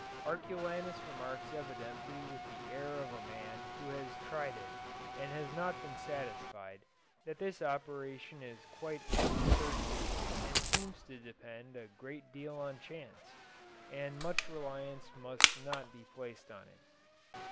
Arculanus remarks evidently with the air of a man who has tried it and not been satisfied that this operation is quite uncertain, and seems to depend a great deal on chance, and much reliance must not be placed on it.